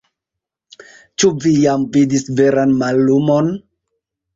Ĉu vi jam vidis veran mallumon?